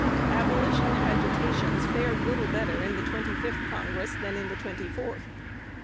Abolition agitations fared little better in the twenty fifth Congress than in the twenty fourth.